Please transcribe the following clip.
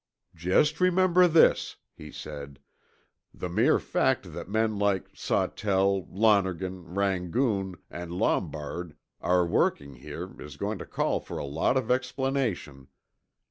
"Just remember this," he said: "the mere fact that men like Sawtell, Lonergan, Rangoon, and Lombard are working here is going to call for a lot of explanation.